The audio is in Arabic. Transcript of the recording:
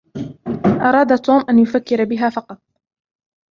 أراد توم أن يفكر بها فقط.